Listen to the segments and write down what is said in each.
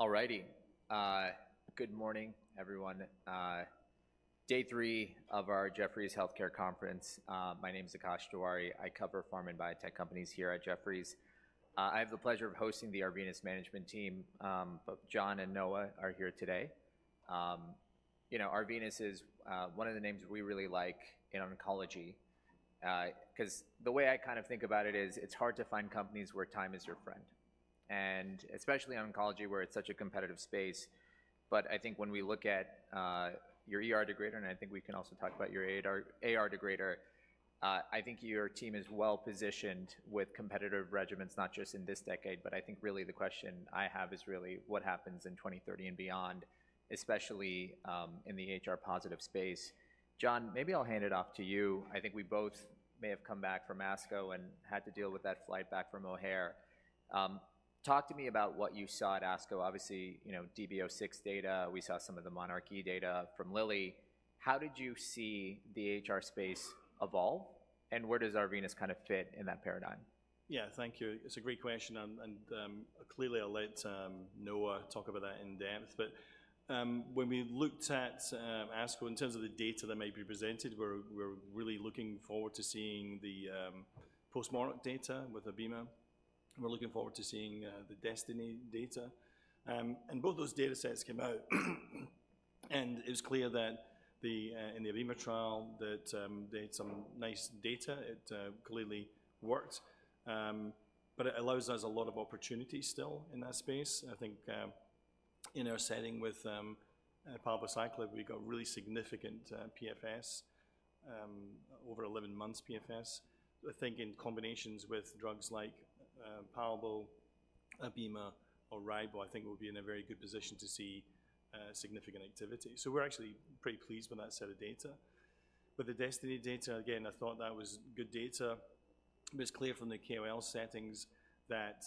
All righty. Good morning, everyone. Day three of our Jefferies Healthcare Conference. My name is Akash Tewari. I cover pharma and biotech companies here at Jefferies. I have the pleasure of hosting the Arvinas Management Team. John and Noah are here today. Arvinas is one of the names we really like in oncology. Because the way I kind of think about it is, it's hard to find companies where time is your friend. And especially oncology, where it's such a competitive space. But I think when we look at your degrader, and I think we can also talk about your AR degrader, I think your team is well positioned with competitive regimens, not just in this decade. But I think really the question I have is really, what happens in 2030 and beyond, especially in the HR-positive space? John, maybe I'll hand it off to you. I think we both may have come back from ASCO and had to deal with that flight back from O'Hare. Talk to me about what you saw at ASCO. Obviously, DB06 data, we saw some of the MonarchE data from Lilly. How did you see the HR space evolve? And where does Arvinas kind of fit in that paradigm? Yeah, thank you. It's a great question. And clearly, I'll let Noah talk about that in depth. But when we looked at ASCO, in terms of the data that may be presented, we're really looking forward to seeing the postMONARCH data with abemaciclib. We're looking forward to seeing the DESTINY data. And both those data sets came out. And it was clear that in the abemaciclib trial, that they had some nice data. It clearly worked. But it allows us a lot of opportunity still in that space. I think in our setting with palbociclib, we got really significant PFS, over 11 months PFS. I think in combinations with drugs like palbo, abemaciclib, or ribo, I think we'll be in a very good position to see significant activity. So we're actually pretty pleased with that set of data. But the DESTINY data, again, I thought that was good data. But it's clear from the KOL settings that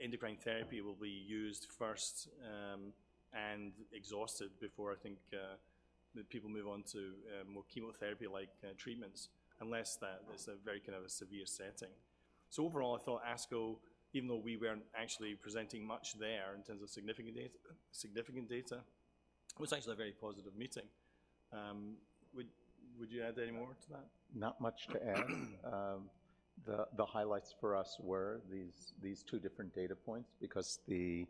endocrine therapy will be used first and exhausted before I think that people move on to more chemotherapy-like treatments, unless that is a very kind of a severe setting. So overall, I thought ASCO, even though we weren't actually presenting much there in terms of significant data, was actually a very positive meeting. Would you add any more to that? Not much to add. The highlights for us were these two different data points. Because the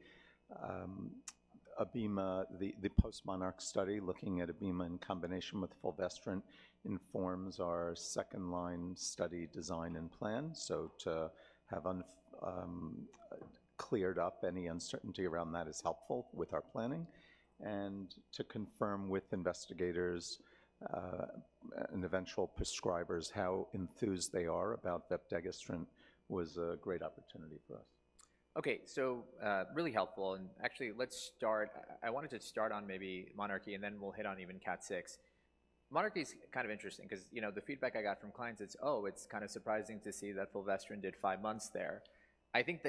abemaciclib, the postMONARCH study looking at abemaciclib in combination with fulvestrant informs our second line study design and plan. So to have cleared up any uncertainty around that is helpful with our planning. And to confirm with investigators and eventual prescribers how enthused they are about vepdegestrant was a great opportunity for us. OK, so really helpful. Actually, let's start. I wanted to start on maybe MonarchE, and then we'll hit on even SERENA-6. MonarchE is kind of interesting. Because the feedback I got from clients is, oh, it's kind of surprising to see that fulvestrant did five months there. I think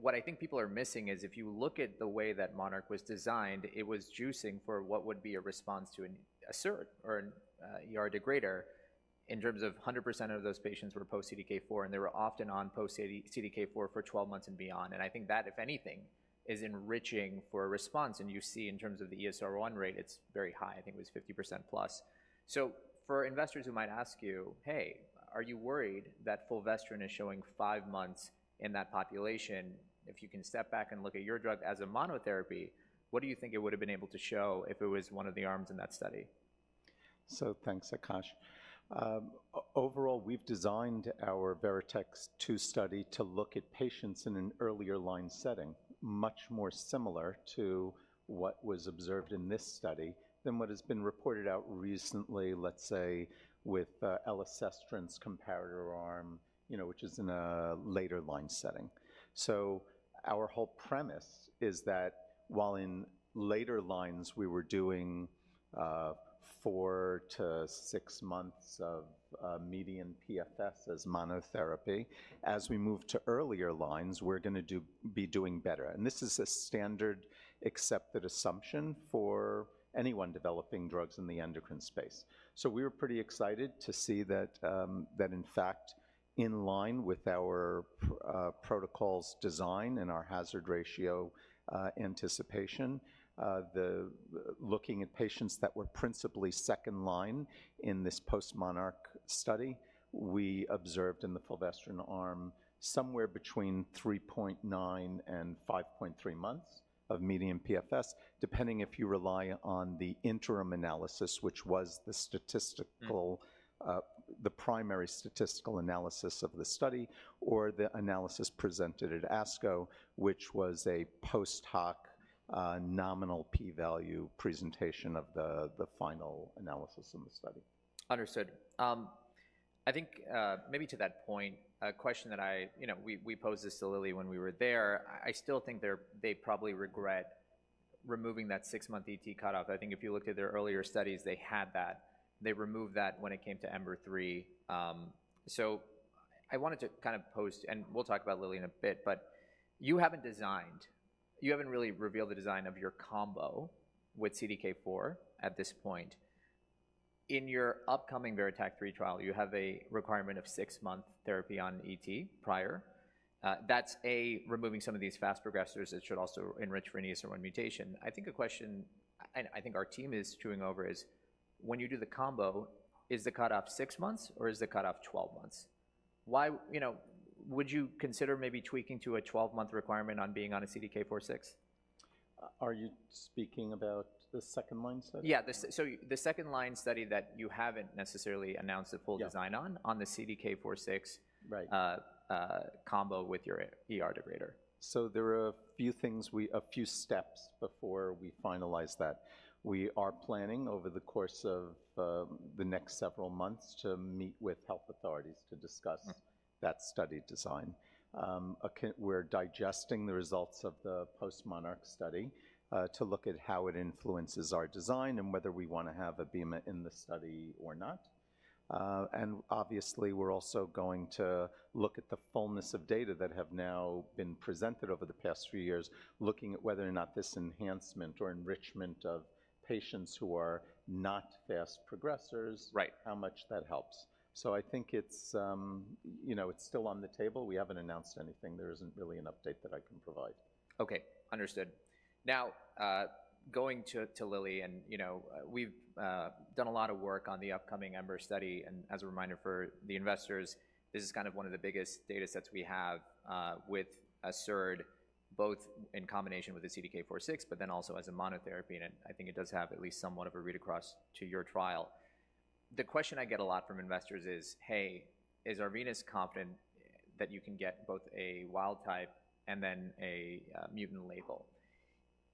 what I think people are missing is, if you look at the way that Monarch was designed, it was juicing for what would be a response to anastrozole or a degrader, in terms of 100% of those patients were post-CDK4. And they were often on post-CDK4 for 12 months and beyond. And I think that, if anything, is enriching for a response. And you see, in terms of the ESR1 rate, it's very high. I think it was 50% plus. For investors who might ask you, hey, are you worried that fulvestrant is showing five months in that population? If you can step back and look at your drug as a monotherapy, what do you think it would have been able to show if it was one of the arms in that study? So thanks, Akash. Overall, we've designed our VERITAC-2 study to look at patients in an earlier line setting, much more similar to what was observed in this study than what has been reported out recently, let's say, with elacestrant's comparator arm, which is in a later line setting. So our whole premise is that while in later lines, we were doing four-six months of median PFS as monotherapy, as we move to earlier lines, we're going to be doing better. And this is a standard accepted assumption for anyone developing drugs in the endocrine space. So we were pretty excited to see that, in fact, in line with our protocols design and our hazard ratio anticipation, looking at patients that were principally second line in this post-MonarchE study, we observed in the fulvestrant arm somewhere between 3.9-5.3 months of median PFS, depending if you rely on the interim analysis, which was the primary statistical analysis of the study, or the analysis presented at ASCO, which was a post-hoc nominal p-value presentation of the final analysis in the study. Understood. I think maybe to that point, a question that we posed this to Lilly when we were there. I still think they probably regret removing that 6-month ET cutoff. I think if you looked at their earlier studies, they had that. They removed that when it came to EMBER-3. So I wanted to kind of pose, and we'll talk about Lilly in a bit, but you haven't designed, you haven't really revealed the design of your combo with CDK4 at this point. In your upcoming VERITAC-3 trial, you have a requirement of 6-month therapy on ET prior. That's A, removing some of these fast progressors that should also enrich for an ESR1 mutation. I think a question I think our team is chewing over is, when you do the combo, is the cutoff six months, or is the cutoff 12 months? Would you consider maybe tweaking to a 12-month requirement on being on a CDK4/6? Are you speaking about the second line study? Yeah, so the second-line study that you haven't necessarily announced the full design on the CDK4/6 combo with your degrader. So there are a few things, a few steps before we finalize that. We are planning over the course of the next several months to meet with health authorities to discuss that study design. We're digesting the results of the postMONARCH study to look at how it influences our design and whether we want to have ABEMA in the study or not. And obviously, we're also going to look at the fullness of data that have now been presented over the past few years, looking at whether or not this enhancement or enrichment of patients who are not fast progressors, how much that helps. So I think it's still on the table. We haven't announced anything. There isn't really an update that I can provide. OK, understood. Now, going to Lilly, and we've done a lot of work on the upcoming EMBER study. As a reminder for the investors, this is kind of one of the biggest data sets we have with a SERD, both in combination with the CDK4/6, but then also as a monotherapy. I think it does have at least somewhat of a read across to your trial. The question I get a lot from investors is, hey, is Arvinas confident that you can get both a wild type and then a mutant label?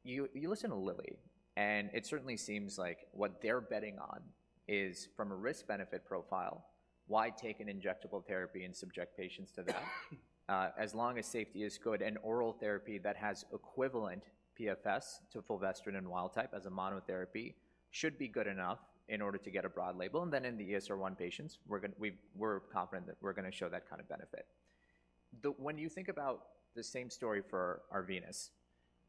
You listen to Lilly. It certainly seems like what they're betting on is, from a risk-benefit profile, why take an injectable therapy and subject patients to that? As long as safety is good, an oral therapy that has equivalent PFS to fulvestrant and wild type as a monotherapy should be good enough in order to get a broad label. And then in the ESR1 patients, we're confident that we're going to show that kind of benefit. When you think about the same story for Arvinas,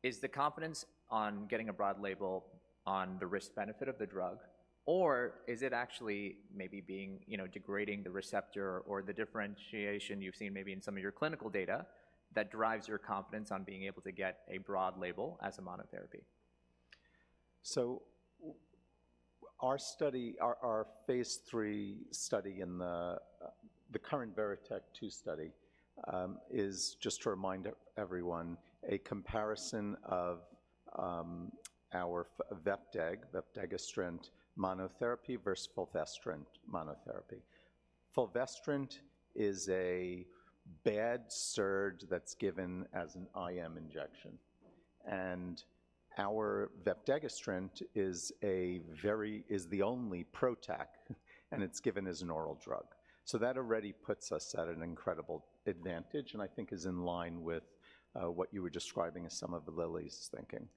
is the confidence on getting a broad label on the risk-benefit of the drug, or is it actually maybe degrading the receptor or the differentiation you've seen maybe in some of your clinical data that drives your confidence on being able to get a broad label as a monotherapy? So our Phase III study in the current VERITAC-2 study is, just to remind everyone, a comparison of our vepdegestrant monotherapy versus fulvestrant monotherapy. Fulvestrant is a SERD that's given as an IM injection. And our vepdegestrant is the only PROTAC, and it's given as an oral drug. So that already puts us at an incredible advantage. And I think it is in line with what you were describing as some of Lilly's thinking.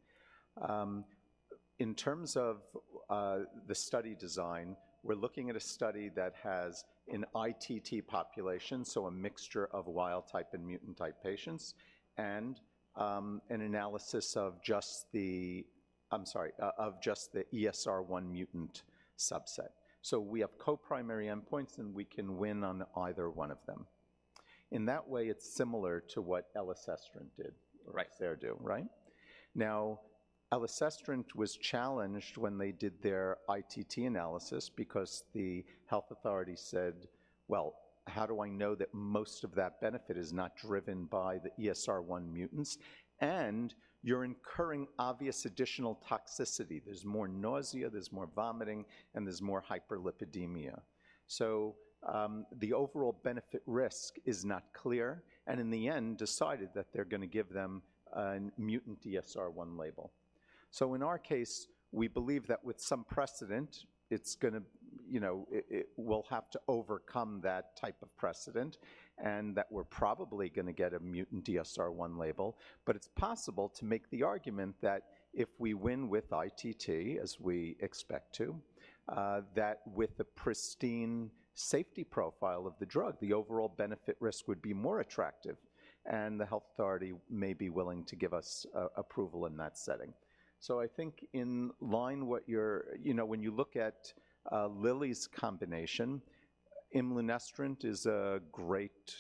In terms of the study design, we're looking at a study that has an ITT population, so a mixture of wild type and mutant type patients, and an analysis of just the, I'm sorry, of just the ESR1 mutant subset. So we have co-primary endpoints, and we can win on either one of them. In that way, it's similar to what elacestrant did. Right. They're doing, right? Now, elacestrant was challenged when they did their ITT analysis because the health authority said, well, how do I know that most of that benefit is not driven by the ESR1 mutants? And you're incurring obvious additional toxicity. There's more nausea. There's more vomiting. And there's more hyperlipidemia. So the overall benefit risk is not clear. And in the end, decided that they're going to give them a mutant ESR1 label. So in our case, we believe that with some precedent, we'll have to overcome that type of precedent and that we're probably going to get a mutant ESR1 label. But it's possible to make the argument that if we win with ITT, as we expect to, that with the pristine safety profile of the drug, the overall benefit risk would be more attractive. And the health authority may be willing to give us approval in that setting. So I think in line what you're, you know, when you look at Lilly's combination, imlunestrant is a great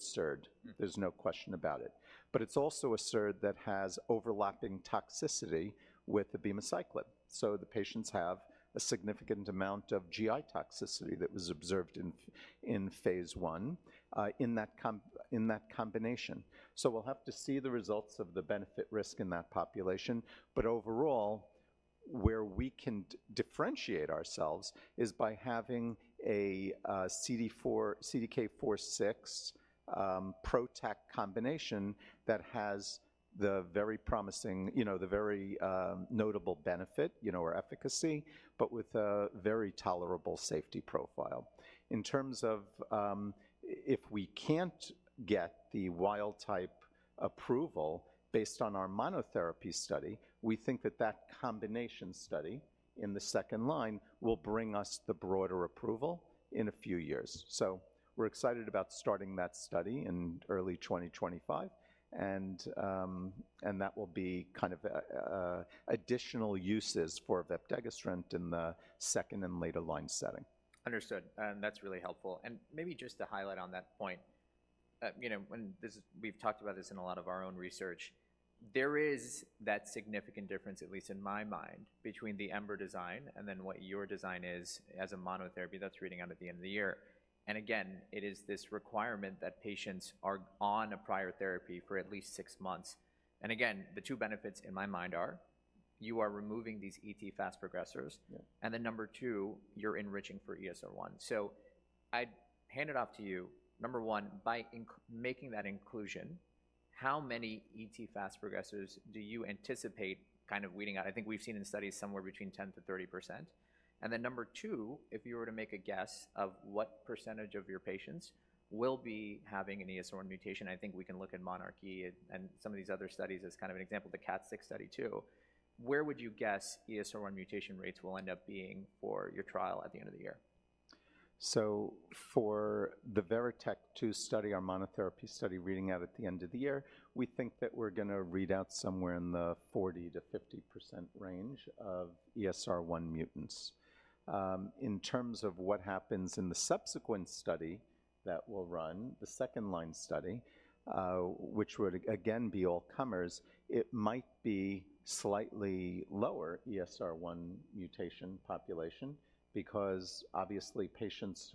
SERD. There's no question about it. But it's also a SERD that has overlapping toxicity with abemaciclib. So the patients have a significant amount of GI toxicity that was observed in Phase I in that combination. So we'll have to see the results of the benefit risk in that population. But overall, where we can differentiate ourselves is by having a CDK4/6 PROTAC combination that has the very promising, the very notable benefit or efficacy, but with a very tolerable safety profile. In terms of if we can't get the wild type approval based on our monotherapy study, we think that that combination study in the second line will bring us the broader approval in a few years. So we're excited about starting that study in early 2025. And that will be kind of additional uses for Vepdegestrant in the second and later line setting. Understood. And that's really helpful. And maybe just to highlight on that point, we've talked about this in a lot of our own research. There is that significant difference, at least in my mind, between the EMBER design and then what your design is as a monotherapy that's reading out at the end of the year. And again, it is this requirement that patients are on a prior therapy for at least six months. And again, the two benefits in my mind are you are removing these ET fast progressors. And then number two, you're enriching for ESR1. So I'd hand it off to you. Number one, by making that inclusion, how many ET fast progressors do you anticipate kind of weeding out? I think we've seen in studies somewhere between 10%-30%. Then number two, if you were to make a guess of what percentage of your patients will be having an ESR1 mutation, I think we can look at MonarchE and some of these other studies as kind of an example, the Serena-6 study too. Where would you guess ESR1 mutation rates will end up being for your trial at the end of the year? So for the VERITAC-2 study, our monotherapy study reading out at the end of the year, we think that we're going to read out somewhere in the 40%-50% range of ESR1 mutants. In terms of what happens in the subsequent study that we'll run, the second line study, which would again be all comers, it might be slightly lower ESR1 mutation population because obviously patients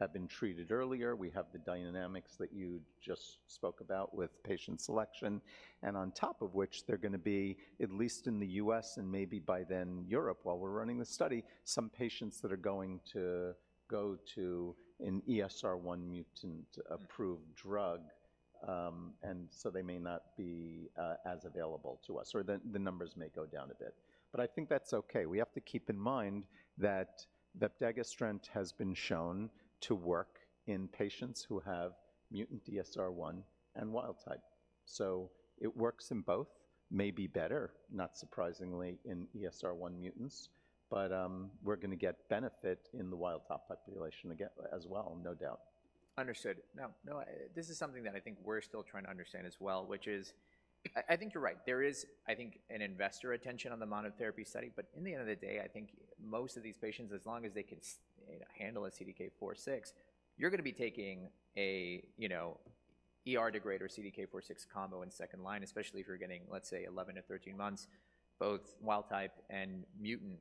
have been treated earlier. We have the dynamics that you just spoke about with patient selection. And on top of which, they're going to be, at least in the U.S. and maybe by then Europe while we're running the study, some patients that are going to go to an ESR1 mutant approved drug. And so they may not be as available to us. Or the numbers may go down a bit. But I think that's OK. We have to keep in mind that Vepdegestrant has been shown to work in patients who have mutant ESR1 and wild type. So it works in both, maybe better, not surprisingly, in ESR1 mutants. But we're going to get benefit in the wild type population as well, no doubt. Understood. Now, this is something that I think we're still trying to understand as well, which is I think you're right. There is, I think, an investor attention on the monotherapy study. But at the end of the day, I think most of these patients, as long as they can handle a CDK4/6, you're going to be taking a degrader or CDK4/6 combo in second line, especially if you're getting, let's say, 11-13 months, both wild type and mutant.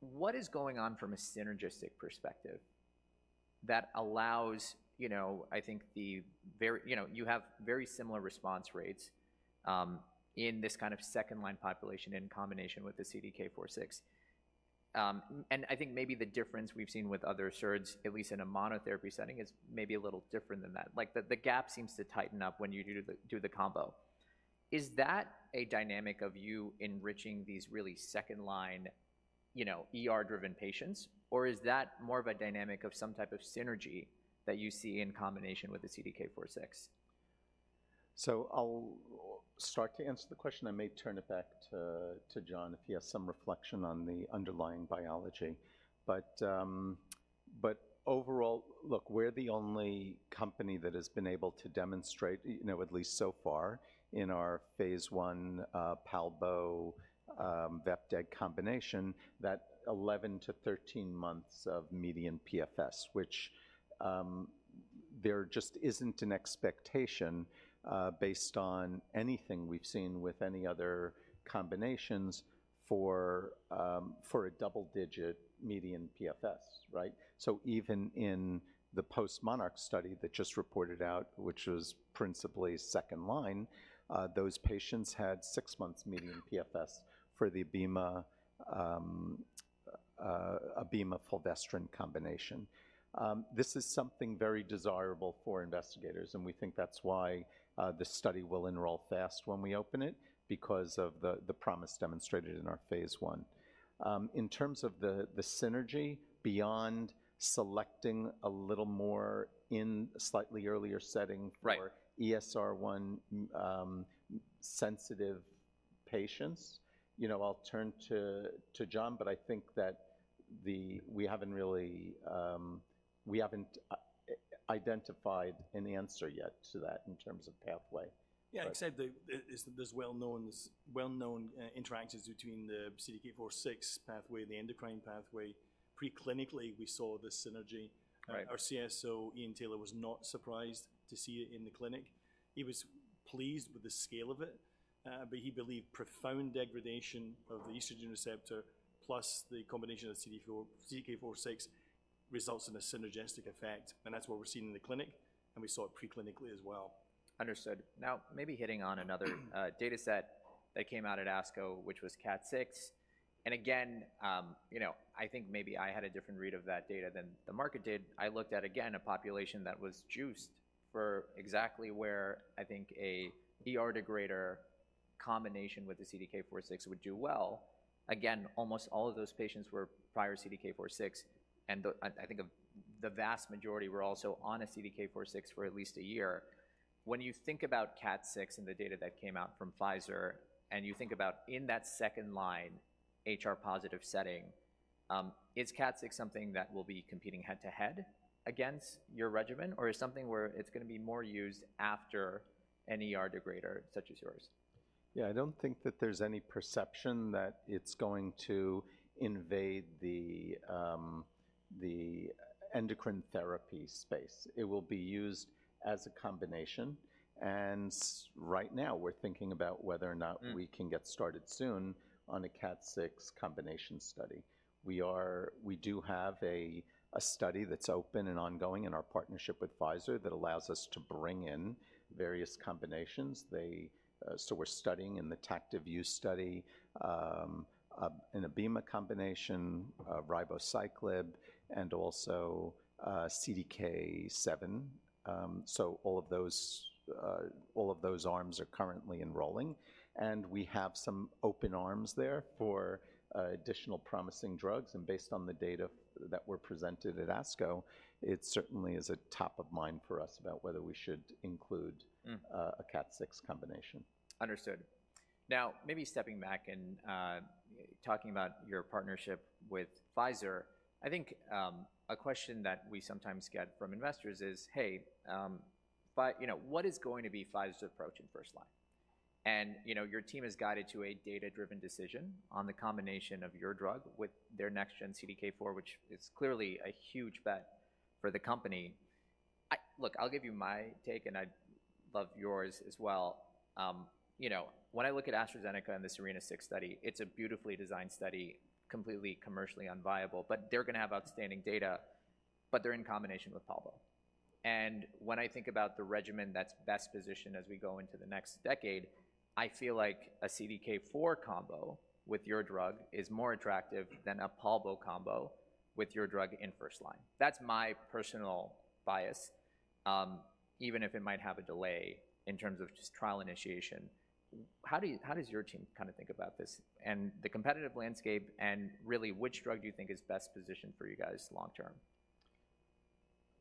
What is going on from a synergistic perspective that allows, I think, you have very similar response rates in this kind of second line population in combination with the CDK4/6? And I think maybe the difference we've seen with other SERDs, at least in a monotherapy setting, is maybe a little different than that. Like the gap seems to tighten up when you do the combo. Is that a dynamic of you enriching these really second line ER-driven patients? Or is that more of a dynamic of some type of synergy that you see in combination with the CDK4/6? I'll start to answer the question. I may turn it back to John if he has some reflection on the underlying biology. But overall, look, we're the only company that has been able to demonstrate, at least so far in our Phase I palbo-vepdegestrant combination, that 11-13 months of median PFS, which there just isn't an expectation based on anything we've seen with any other combinations for a double-digit median PFS, right? So even in the postMONARCH study that just reported out, which was principally second-line, those patients had six months median PFS for the abema-fulvestrant combination. This is something very desirable for investigators. And we think that's why the study will enroll fast when we open it because of the promise demonstrated in our Phase I. In terms of the synergy, beyond selecting a little more in a slightly earlier setting for ESR1 sensitive patients, I'll turn to John. But I think that we haven't really identified an answer yet to that in terms of pathway. Yeah, like I said, there's well-known interactions between the CDK4/6 pathway, the endocrine pathway. Pre-clinically, we saw the synergy. Our CSO, Ian Taylor, was not surprised to see it in the clinic. He was pleased with the scale of it. But he believed profound degradation of the estrogen receptor plus the combination of CDK4/6 results in a synergistic effect. And that's what we're seeing in the clinic. And we saw it pre-clinically as well. Understood. Now, maybe hitting on another data set that came out at ASCO, which was KAT6. And again, I think maybe I had a different read of that data than the market did. I looked at, again, a population that was juiced for exactly where I think a degrader combination with the CDK4/6 would do well. Again, almost all of those patients were prior CDK4/6. And I think the vast majority were also on a CDK4/6 for at least a year. When you think about KAT6 and the data that came out from Pfizer, and you think about in that second-line HR-positive setting, is KAT6 something that will be competing head-to-head against your regimen? Or is it something where it's going to be more used after a degrader such as yours? Yeah, I don't think that there's any perception that it's going to invade the endocrine therapy space. It will be used as a combination. And right now, we're thinking about whether or not we can get started soon on a CDK6 combination study. We do have a study that's open and ongoing in our partnership with Pfizer that allows us to bring in various combinations. So we're studying in the TACTIVE-U study an abemaciclib combination, ribociclib, and also CDK7. So all of those arms are currently enrolling. And we have some open arms there for additional promising drugs. And based on the data that were presented at ASCO, it certainly is a top of mind for us about whether we should include a CDK6 combination. Understood. Now, maybe stepping back and talking about your partnership with Pfizer, I think a question that we sometimes get from investors is, hey, what is going to be Pfizer's approach in first line? And your team has guided to a data-driven decision on the combination of your drug with their next-gen CDK4, which is clearly a huge bet for the company. Look, I'll give you my take, and I'd love yours as well. When I look at AstraZeneca in the Serena-6 study, it's a beautifully designed study, completely commercially unviable. But they're going to have outstanding data. But they're in combination with palbociclib. And when I think about the regimen that's best positioned as we go into the next decade, I feel like a CDK4 combo with your drug is more attractive than a palbociclib combo with your drug in first line. That's my personal bias, even if it might have a delay in terms of just trial initiation. How does your team kind of think about this and the competitive landscape? And really, which drug do you think is best positioned for you guys long term?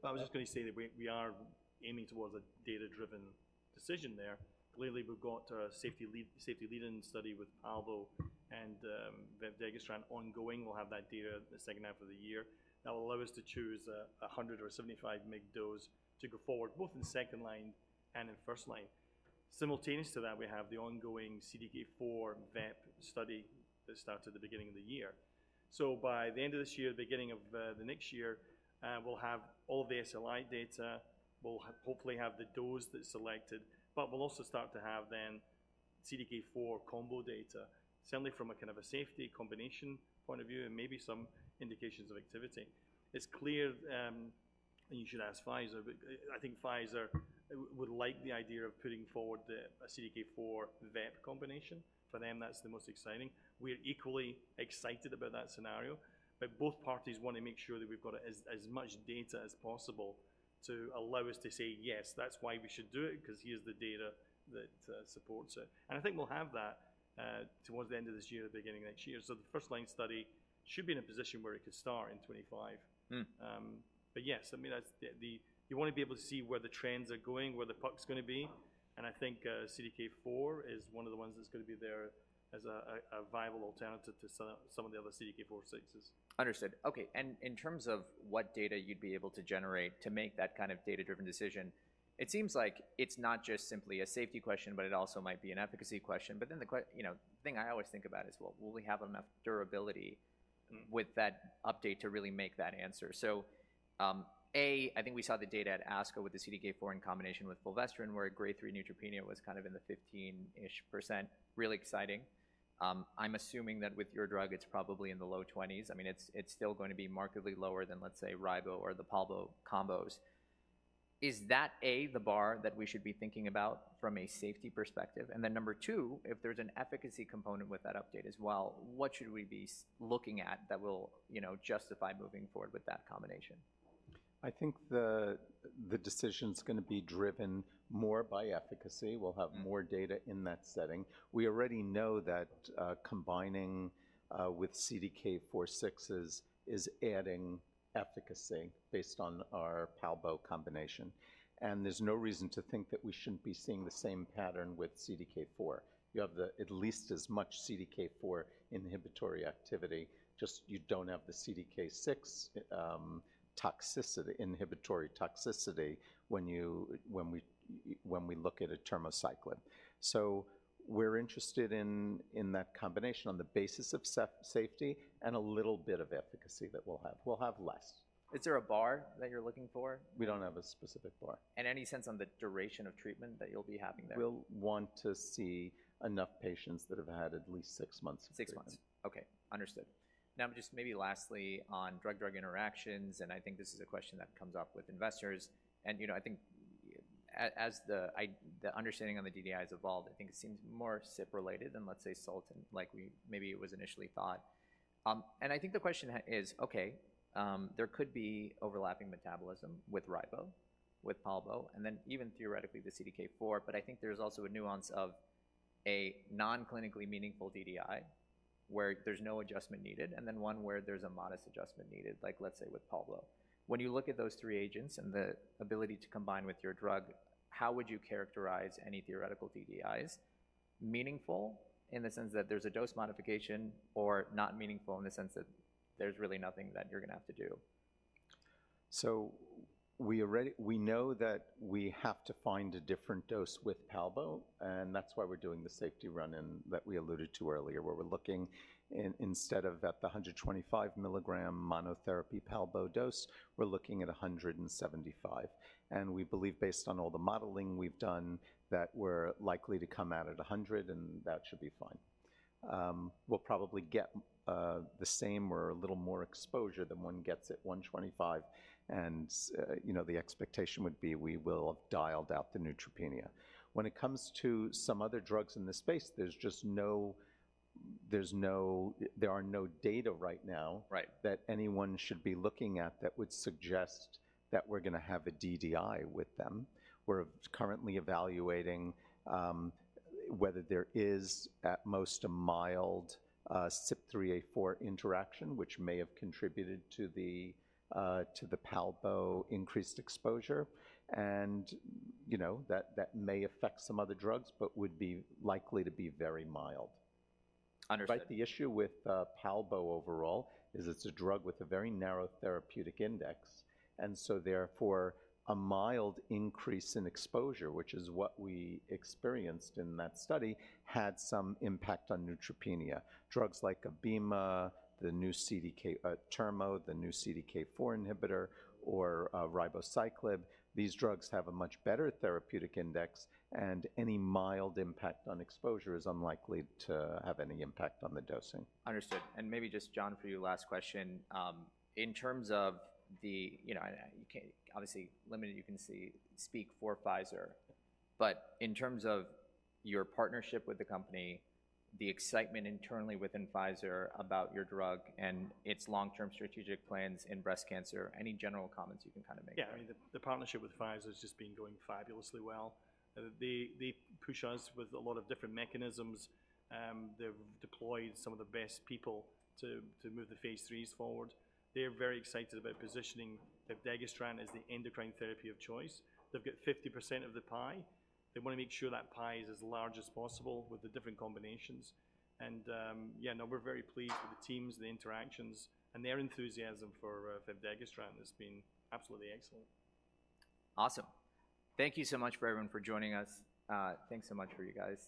I was just going to say that we are aiming towards a data-driven decision there. Clearly, we've got a safety leading study with palbociclib and vepdegestrant ongoing. We'll have that data the second half of the year. That will allow us to choose 100 or 75 mg dose to go forward both in second line and in first line. Simultaneous to that, we have the ongoing CDK4/vepdegestrant study that starts at the beginning of the year. So by the end of this year, the beginning of the next year, we'll have all of the SLI data. We'll hopefully have the dose that's selected. But we'll also start to have then CDK4 combo data, certainly from a kind of a safety combination point of view and maybe some indications of activity. It's clear, and you should ask Pfizer, but I think Pfizer would like the idea of putting forward a CDK4/VEP combination. For them, that's the most exciting. We're equally excited about that scenario. But both parties want to make sure that we've got as much data as possible to allow us to say, yes, that's why we should do it because here's the data that supports it. And I think we'll have that towards the end of this year or the beginning of next year. So the first line study should be in a position where it could start in 2025. But yes, I mean, you want to be able to see where the trends are going, where the puck's going to be. And I think CDK4 is one of the ones that's going to be there as a viable alternative to some of the other CDK4/6s. Understood. OK. In terms of what data you'd be able to generate to make that kind of data-driven decision, it seems like it's not just simply a safety question, but it also might be an efficacy question. But then the thing I always think about is, well, will we have enough durability with that update to really make that answer? So A, I think we saw the data at ASCO with the CDK4 in combination with fulvestrant, where grade 3 neutropenia was kind of in the 15%-ish. Really exciting. I'm assuming that with your drug, it's probably in the low 20s. I mean, it's still going to be markedly lower than, let's say, ribo or the palbo combos. Is that A, the bar that we should be thinking about from a safety perspective? Number two, if there's an efficacy component with that update as well, what should we be looking at that will justify moving forward with that combination? I think the decision's going to be driven more by efficacy. We'll have more data in that setting. We already know that combining with CDK4/6 is adding efficacy based on our palbo combination. There's no reason to think that we shouldn't be seeing the same pattern with CDK4. You have at least as much CDK4 inhibitory activity. Just you don't have the CDK6 inhibitory toxicity when we look at atirmociclib. We're interested in that combination on the basis of safety and a little bit of efficacy that we'll have. We'll have less. Is there a bar that you're looking for? We don't have a specific bar. Any sense on the duration of treatment that you'll be having there? We'll want to see enough patients that have had at least six months of treatment. Six months. OK, understood. Now, just maybe lastly on drug-drug interactions. And I think this is a question that comes up with investors. And I think as the understanding on the DDI has evolved, I think it seems more CYP-related than, let's say, systemic, like maybe it was initially thought. And I think the question is, OK, there could be overlapping metabolism with ribo, with palbo, and then even theoretically the CDK4. But I think there's also a nuance of a non-clinically meaningful DDI where there's no adjustment needed and then one where there's a modest adjustment needed, like let's say with palbo. When you look at those three agents and the ability to combine with your drug, how would you characterize any theoretical DDIs? Meaningful in the sense that there's a dose modification or not meaningful in the sense that there's really nothing that you're going to have to do? So we know that we have to find a different dose with palbo. And that's why we're doing the safety run-in that we alluded to earlier, where we're looking instead of at the 125-milligram monotherapy palbo dose, we're looking at 175. And we believe, based on all the modeling we've done, that we're likely to come out at 100. And that should be fine. We'll probably get the same or a little more exposure than one gets at 125. And the expectation would be we will have dialed out the neutropenia. When it comes to some other drugs in this space, there's no data right now that anyone should be looking at that would suggest that we're going to have a DDI with them. We're currently evaluating whether there is at most a mild CYP3A4 interaction, which may have contributed to the palbo increased exposure. That may affect some other drugs but would be likely to be very mild. Understood. The issue with palbo overall is it's a drug with a very narrow therapeutic index. And so therefore, a mild increase in exposure, which is what we experienced in that study, had some impact on neutropenia. Drugs like abema, the new CDK, atirmociclib, the new CDK4 inhibitor, or ribociclib, these drugs have a much better therapeutic index. And any mild impact on exposure is unlikely to have any impact on the dosing. Understood. And maybe just, John, for you, last question. In terms of the obviously limited, you can speak for Pfizer. But in terms of your partnership with the company, the excitement internally within Pfizer about your drug and its long-term strategic plans in breast cancer, any general comments you can kind of make? Yeah, I mean, the partnership with Pfizer has just been going fabulously well. They push us with a lot of different mechanisms. They've deployed some of the best people to move the Phase IIIs forward. They're very excited about positioning Vepdegestrant as the endocrine therapy of choice. They've got 50% of the pie. They want to make sure that pie is as large as possible with the different combinations. And yeah, no, we're very pleased with the teams and the interactions. And their enthusiasm for Vepdegestrant has been absolutely excellent. Awesome. Thank you so much for everyone for joining us. Thanks so much for you guys.